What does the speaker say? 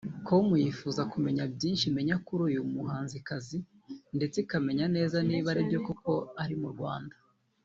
com yifuza kugira byinshi imenya kuri uyu muhanzikazi ndetse ikamenya neza niba aribyo koko ari mu Rwanda